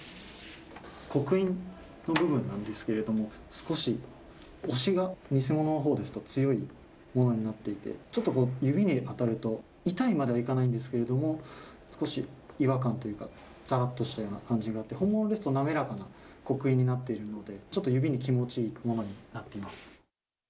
刻印の部分なんですけれども、少し押しが、偽物のほうですと、強いものになっていて、ちょっと指に当たると、痛いまではいかないんですけれども、少し違和感というか、ざらっとしたような感じがあって、本物ですと、滑らかな刻印になっているので、ちょっと指に気持ちいいものになっています。